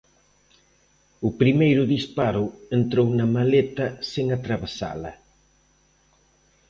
O primeiro disparo entrou na Maleta sen atravesala.